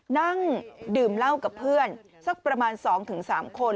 นั่งดื่มเหล้ากับเพื่อนสักประมาณสองถึงสามคน